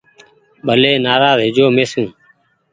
ڀلي نآراز هو جو مين سون۔